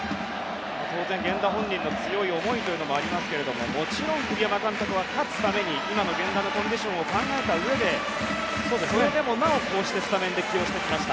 当然、源田本人の強い思いもありますがもちろん栗山監督は勝つために今の源田のコンディションを考えたうえでそれでもなおスタメンで起用してきました。